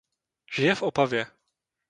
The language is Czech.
Žije v Opavě.